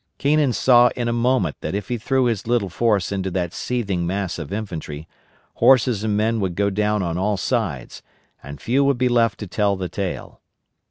Keenan saw in a moment that if he threw his little force into that seething mass of infantry, horses and men would go down on all sides, and few would be left to tell the tale.